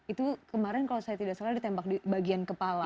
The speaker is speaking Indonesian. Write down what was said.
itu kemarin kalau saya tidak salah ditembak di bagian kepala